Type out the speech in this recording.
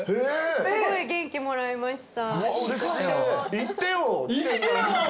すごい元気もらいました。